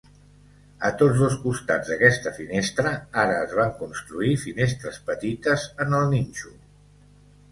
A tots dos costats d'aquesta finestra, ara es van construir finestres petites en el nínxol.